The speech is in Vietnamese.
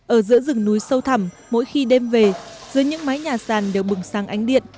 ở giữa rừng núi sâu thẳm mỗi khi đêm về dưới những mái nhà sàn đều bừng sáng ánh điện